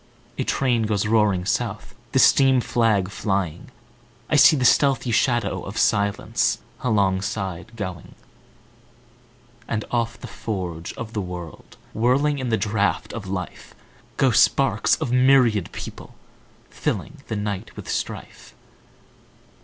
A train goes roaring south, The steam flag flying;I see the stealthy shadow of silenceAlongside going. And off the forge of the world, Whirling in the draught of life, Go sparks of myriad people, fillingThe night with strife.